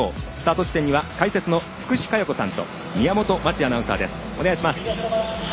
スタート地点には解説の福士加代子さんと宮本真智アナウンサーです。